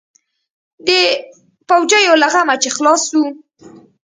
د پوجيو له غمه چې خلاص سو.